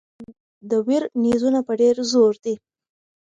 د ویر نیزونه په ډېر زور دي.